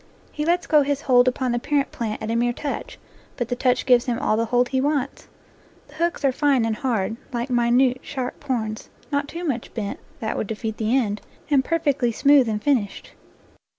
He lets go his hold upon the parent plant at a mere touch, but the touch gives him all the hold he wants. The hooks are fine and hard, like minute, sharp horns, not too much bent, that would defeat the end, and perfectly smooth and finished.